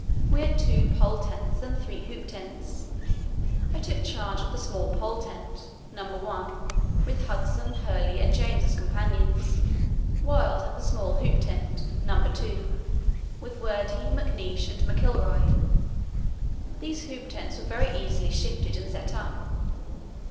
We had two pole tents and three hoop tents. I took charge of the small pole tent, No. 1, with Hudson, Hurley, and James as companions; Wild had the small hoop tent, No. 2, with Wordie, McNeish, and McIlroy. These hoop tents are very easily shifted and set up.